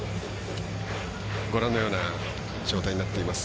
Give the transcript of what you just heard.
ご覧のような状態になっています。